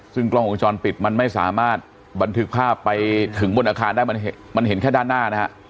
ซึ่งกล้องวงจรปิดมันไม่สามารถบันทึกภาพไปถึงบนอาคารได้มันเห็นแค่ด้านหน้านะฮะ